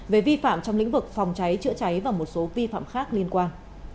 về vi phạm trong lĩnh vực phòng cháy chữa cháy và một số vi phạm khác liên quan